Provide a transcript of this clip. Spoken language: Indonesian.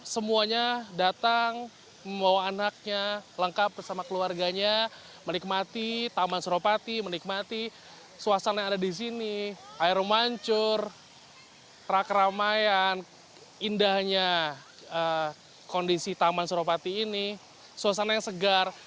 semuanya datang membawa anaknya lengkap bersama keluarganya menikmati taman suropati menikmati suasana yang ada di sini air mancur rakramaian indahnya kondisi taman suropati ini suasana yang segar